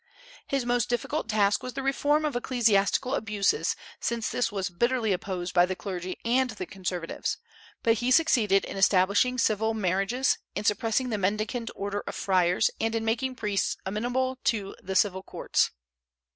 His most difficult task was the reform of ecclesiastical abuses, since this was bitterly opposed by the clergy and the conservatives; but he succeeded in establishing civil marriages, in suppressing the Mendicant order of friars, and in making priests amenable to the civil courts.